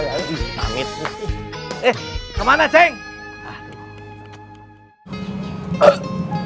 eh kemana cek